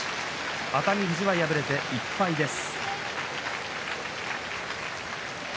熱海富士、敗れて１敗です。